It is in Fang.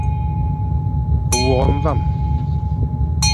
Wôkh mvam.